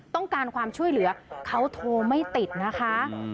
ต้องการความช่วยเหลือเขาโทรไม่ติดนะคะ